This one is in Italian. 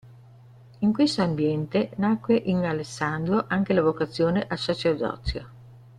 In questo ambiente nacque in Alessandro anche la vocazione al sacerdozio.